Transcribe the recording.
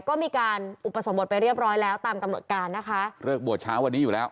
ก็มีการอุปสมบทไปเรียบร้อยแล้วตามกำหนดการนะคะเลิกบวชเช้าวันนี้อยู่แล้ว